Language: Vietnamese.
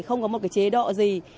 không có một cái chế độ gì